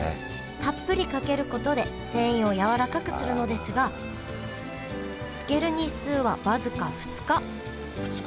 たっぷりかけることで繊維をやわらかくするのですが漬ける日数は僅か２日２日？